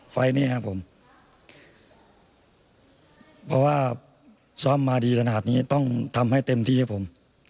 เพราะว่าซ้อมมาดีขนาดนี้ต้องทำให้เต็มที่ครับผม